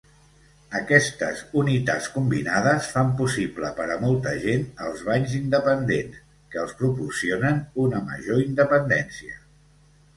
Aquestes unitats combinades fan possible per a molta gent els banys independents, que els proporcionen una major independència.